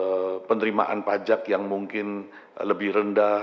pengumuman terkait dengan penerimaan pajak yang mungkin lebih rendah